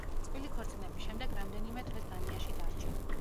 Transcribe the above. წყვილი ქორწინების შემდეგ რამდენიმე თვეს დანიაში დარჩა.